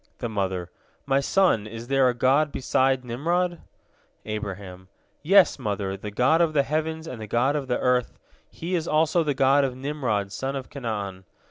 The mother: "My son, is there a God beside Nimrod?" Abraham: "Yes, mother, the God of the heavens and the God of the earth, He is also the God of Nimrod son of Canaan.